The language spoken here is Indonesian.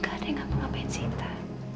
gak ada yang gak mau ngapain cinta